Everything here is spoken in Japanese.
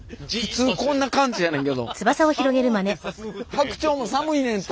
白鳥も寒いねんて。